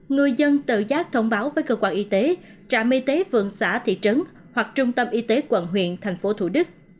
người dân tự giác thông báo với cơ quan y tế trạm y tế vườn xã thị trấn hoặc trung tâm y tế quận huyện tp hcm